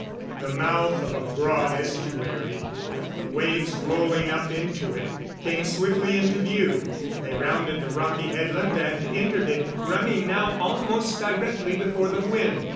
The mouth of a broad estuary, with the waves rolling up into it, came swiftly into view. They rounded the rocky headland and entered it, running now almost directly before the wind.